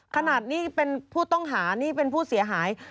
ขนาดนี้เป็นผู้ต้องหานี่เป็นผู้เสียหาย